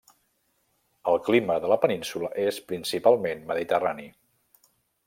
El clima de la península és principalment mediterrani.